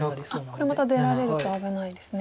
これまた出られると危ないですね。